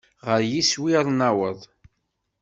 Ɣer yiswi ad naweḍ.